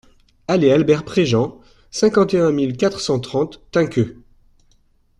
Allée Albert Préjean, cinquante et un mille quatre cent trente Tinqueux